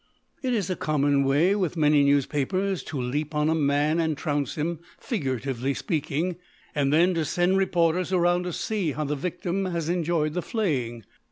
It is a common way with many newspapers to leap on a man and trounce him, figuratively speaking, and then to send reporters around to see how the victim has enjoyed the flaying.